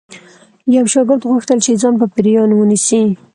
یو شاګرد غوښتل چې ځان په پیریانو ونیسي